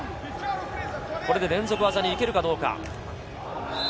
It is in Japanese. これで連続技に行けるかどうか。